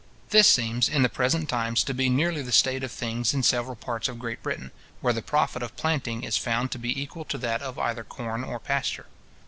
This seems, in the present times, to be nearly the state of things in several parts of Great Britain, where the profit of planting is found to be equal to that of either corn or pasture.